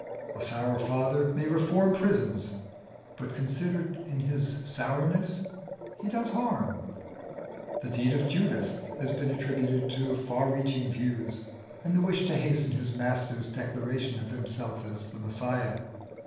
A sour father may reform prisons, but considered in his sourness he does harm. The deed of Judas has been attributed to far reaching views, and the wish to hasten his Master's declaration of himself as the Messiah.